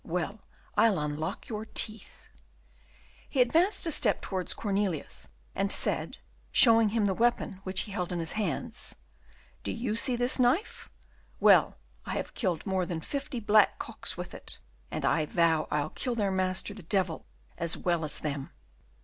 Well, I'll unlock your teeth!" He advanced a step towards Cornelius, and said, showing him the weapon which he held in his hands, "Do you see this knife? Well, I have killed more than fifty black cocks with it, and I vow I'll kill their master, the devil, as well as them."